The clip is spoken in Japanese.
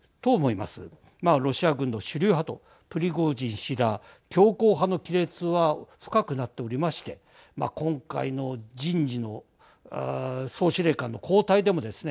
まあ、ロシア軍の主流派とプリゴージン氏ら強硬派の亀裂は深くなっておりましてまあ、今回の人事の総司令官の交代でもですね